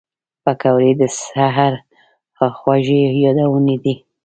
پکورې د سهر خوږې یادونې دي